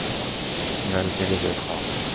গাড়ি থেকে বের হও!